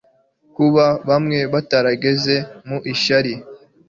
kuba bamwe batarageze mu ishuri